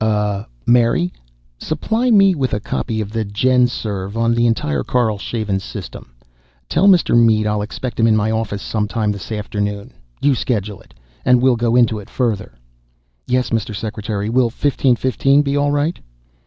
"Uh ... Mary? Supply me with a copy of the GenSurv on the entire Karlshaven system. Tell Mr. Mead I'll expect him in my office sometime this afternoon you schedule it and we'll go into it further." "Yes, Mr. Secretary. Will fifteen fifteen be all right?"